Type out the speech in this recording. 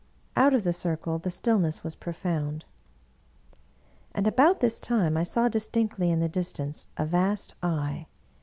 Out of the circle, the stillness was profound. And about this time I saw distinctly in the distance a vast Eye.